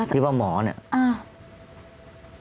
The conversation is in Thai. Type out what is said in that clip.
ที่เป็นหมอเนี้ย